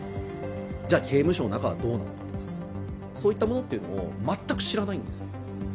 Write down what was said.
じゃあ、刑務所の中はどうなのかとか、そういったものっていうのを、全く知らないんですよ。